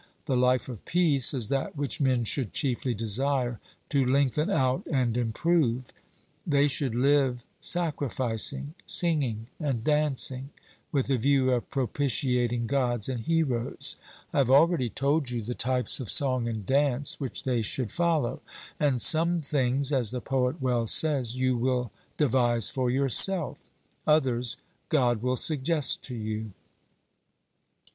The life of peace is that which men should chiefly desire to lengthen out and improve. They should live sacrificing, singing, and dancing, with the view of propitiating Gods and heroes. I have already told you the types of song and dance which they should follow: and 'Some things,' as the poet well says, 'you will devise for yourself others, God will suggest to you.'